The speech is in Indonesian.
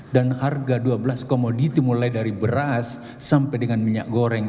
dan harga dua belas komoditi mulai dari beras sampai dengan minyak goreng